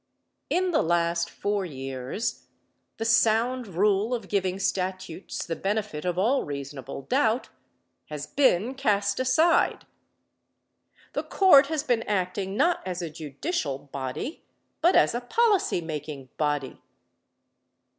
In the last four years the sound rule of giving statutes the benefit of all reasonable doubt has been cast aside. The Court has been acting not as a judicial body, but as a policy making body.